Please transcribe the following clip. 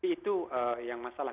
itu yang masalah